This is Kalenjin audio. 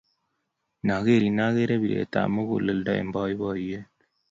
Akerin akere piret ap muguleldo eng' poipoyet.